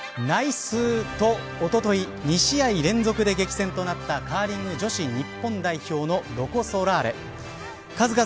ナイスとおととい、２試合連続で激戦となったカーリング女子日本代表のロコ・ソラーレ。